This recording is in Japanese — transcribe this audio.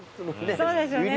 そうですよね。